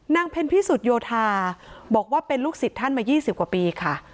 เพ็ญพิสุทธโยธาบอกว่าเป็นลูกศิษย์ท่านมา๒๐กว่าปีค่ะ